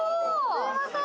すいません